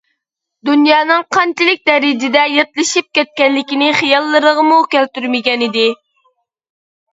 دۇنيانىڭ قانچىلىك دەرىجىدە ياتلىشىپ كەتكەنلىكىنى خىياللىرىغىمۇ كەلتۈرمىگەنىدى.